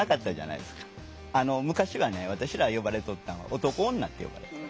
昔はね私ら呼ばれとったんは「男女」って呼ばれとった。